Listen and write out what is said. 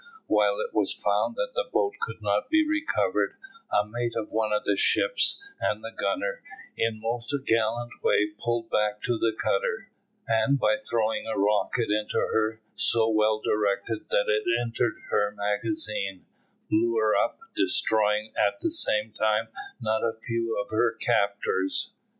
When it was found that the boat could not be recovered, a mate of one of the ships and the gunner, in the most gallant way, pulled back to the cutter, and by throwing a rocket into her, so well directed that it entered her magazine, blew her up, destroying at the same time not a few of her captors.